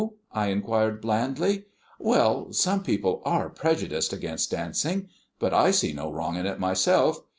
I inquired blandly. "Well, some people are prejudiced against dancing. But I see no wrong in it myself.